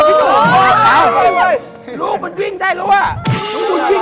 ลูกเหมือนวิ่ง